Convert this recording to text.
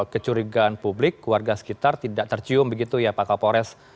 kecurigaan publik warga sekitar tidak tercium begitu ya pak kapolres